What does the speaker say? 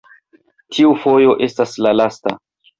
tiu fojo estas la lasta!